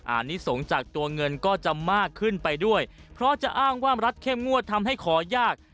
อันนี้สงฆ์จากตัวเงินก็จะมากขึ้นไปด้วยเพราะจะอ้างว่ารัฐเข้มงวดทำให้ขอยาก